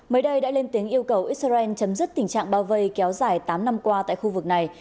mới đây đã lên tiếng yêu cầu israel chấm dứt tình trạng bao vây kéo dài tám năm qua tại khu vực này